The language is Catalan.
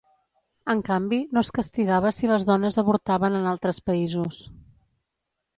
En canvi, no es castigava si les dones avortaven en altres països.